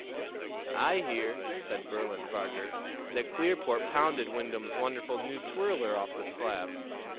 "I hear," said Berlin Barker, "that Clearport pounded Wyndham's wonderful new twirler off the slab."